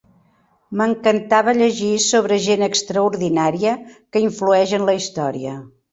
M'encantava llegir sobre gent extraordinària que influeix en la història.